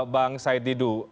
bang said didu